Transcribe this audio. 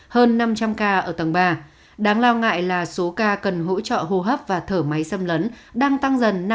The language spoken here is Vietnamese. hơn năm trăm linh ca ở tầng ba đáng lo ngại là số ca cần hỗ trợ hô hấp và thở máy xâm lấn đang tăng dần năm mươi